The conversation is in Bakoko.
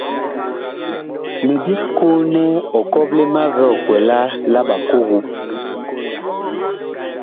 Mi byɛɛ koo nɛ ɔ kɔple má vi ɔkwɛlaa la bakogo.